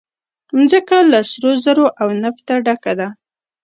مځکه له سرو زرو او نفته ډکه ده.